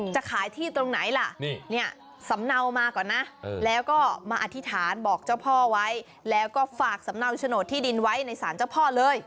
จะขายที่ตรงไหนล่ะเนี่ยสำเนามาก่อนนะแล้วก็มาอธิษฐานบอกเจ้าพ่อไว้แล้วก็ฝากสำเนาโฉนดที่ดินไว้ในสารเจ้าพ่อเลย